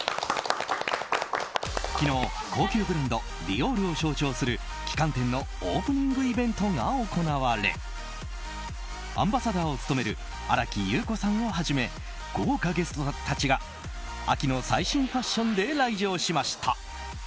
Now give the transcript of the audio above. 昨日、高級ブランドディオールを象徴する旗艦店のオープニングイベントが行われアンバサダーを務める新木優子さんをはじめ豪華ゲストたちが秋の最新ファッションで来場しました。